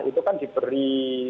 itu kan diberi